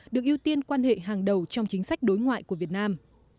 được ưu tiên quan hệ hàng đầu trong chính sách đối ngoại của việt nam